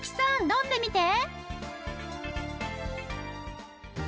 飲んでみて。